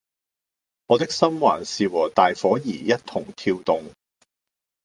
我的心還是和大夥兒一同跳動